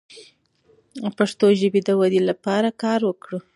د پښتو ژبې د ودې لپاره کار وکړو.